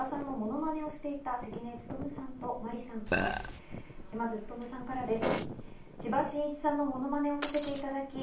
まず勤さんからです。